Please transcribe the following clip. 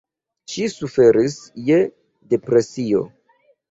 Ŝi suferis je depresio.